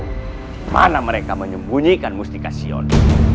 dimana mereka menyembunyikan mustikasyon